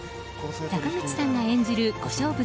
坂口さんが演じる小勝負